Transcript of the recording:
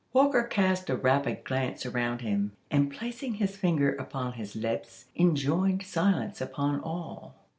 Walker cast a rapid glance around him, and placing his finger upon his lips, enjoined silence upon all.